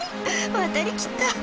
渡りきった！